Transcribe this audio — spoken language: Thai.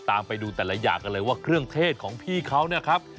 ตามไปดูแต่ละอย่างกันเลยว่าเครื่องเทศของพี่เขาเนี่ยครับ